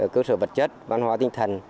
cơ sở vật chất văn hóa tinh thần